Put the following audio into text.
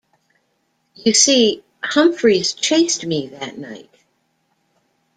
You see, Humphreys chased me that night.